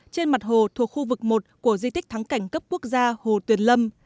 trên mặt hồ thuộc khu vực một của di tích thắng cảnh cấp quốc gia hồ tuyền lâm